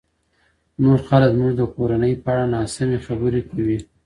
نور خلک زموږ د کورنۍ په اړه ناسمې خبرې کوي.